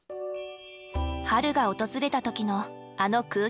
春が訪れた時のあの空気感。